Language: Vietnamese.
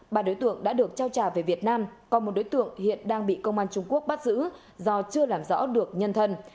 ba đối tượng đã được trao trả về việt nam còn một đối tượng hiện đang bị công an trung quốc bắt giữ do chưa làm rõ được nhân thân